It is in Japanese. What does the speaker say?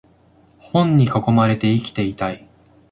本に囲まれて生きていたい